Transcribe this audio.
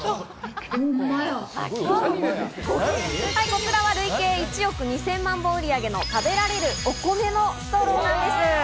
こちらは、累計１億２０００万本売り上げの、食べられるお米のストローです。